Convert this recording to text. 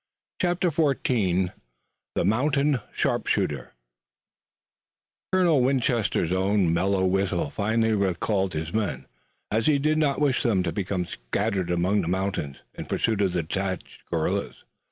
CHAPTER XIV THE MOUNTAIN SHARPSHOOTER Colonel Winchester's own mellow whistle finally recalled his men, as he did not wish them to become scattered among the mountains in pursuit of detached guerrillas.